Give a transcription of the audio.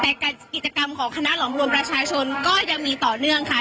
แต่กิจกรรมของคณะหลอมรวมประชาชนก็ยังมีต่อเนื่องค่ะ